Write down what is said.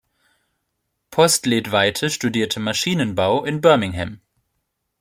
Postlethwaite studierte Maschinenbau in Birmingham.